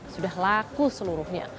sudah laku seluruhnya